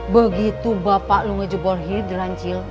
begitu bapak lu ngejebol hidran cil